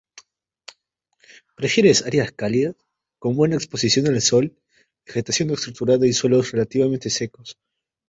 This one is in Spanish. Prefiere áreas cálidas con buena exposición al sol, vegetación estructurada y suelos relativamente secos.